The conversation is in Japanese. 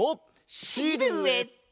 シルエット！